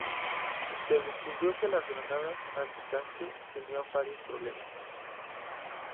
Se descubrió que las granadas antitanque tenían varios problemas.